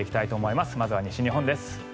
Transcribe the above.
まずは西日本です。